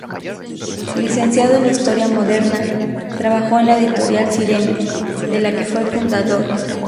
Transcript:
Licenciado en Historia Moderna, trabajó en la Editorial Cirene, de la que fue fundador.